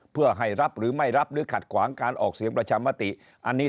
เพื่อให้รับหรือไม่รับหรือขัดขวางการออกเสียงประชามติอันนี้